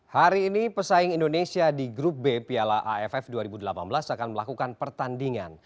hari ini pesaing indonesia di grup b piala aff dua ribu delapan belas akan melakukan pertandingan